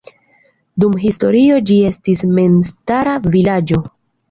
Dum historio ĝi estis memstara vilaĝo.